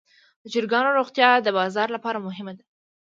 د چرګانو روغتیا د بازار لپاره مهمه ده.